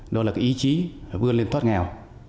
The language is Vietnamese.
đó là ý chí vươn lên thoát nghèo